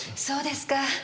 そうですか。